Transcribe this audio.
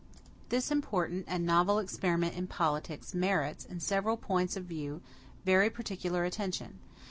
This important and novel experiment in politics merits, in several points of view, very particular attention.